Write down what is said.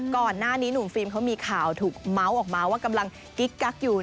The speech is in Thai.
ก่อนหน้านี้หนุ่มฟิล์มเขามีข่าวถูกเมาส์ออกมาว่ากำลังกิ๊กกักอยู่